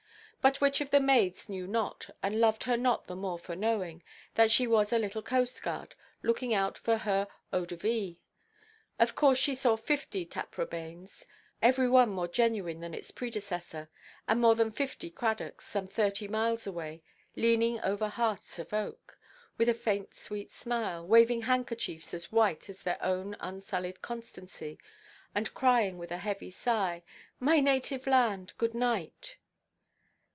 But which of the maids knew not, and loved her not the more for knowing, that she was a little coast–guard, looking out for her eau de vie? Of course she saw fifty Taprobanes—every one more genuine than its predecessor—and more than fifty Cradocks, some thirty miles away, leaning over hearts of oak, with a faint sweet smile, waving handkerchiefs as white as their own unsullied constancy, and crying with a heavy sigh, "My native land, good night!"